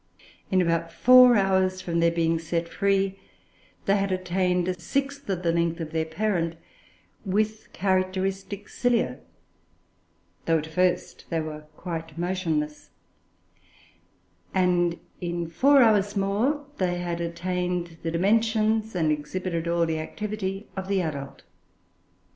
In about four hours from their being set free, they had attained a sixth of the length of the parent, with the characteristic cilia, though at first they were quite motionless; and, in four hours more, they had attained the dimensions and exhibited all the activity of the adult.